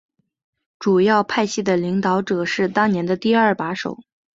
主要派系的领导者是当年的第二把手。